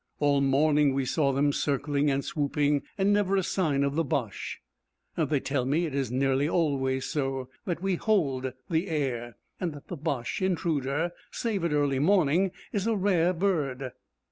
All morning we saw them circling and swooping, and never a sign of a Boche. They tell me it is nearly always so that we hold the air, and that the Boche intruder, save at early morning, is a rare bird.